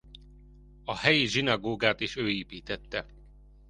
A helyi zsinagógát is ő építette.